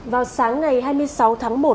vào sáng ngày hai mươi sáu tháng một